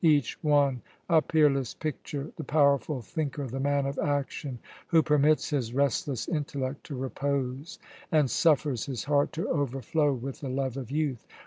Each one a peerless picture, the powerful thinker, the man of action, who permits his restless intellect to repose, and suffers his heart to overflow with the love of youth!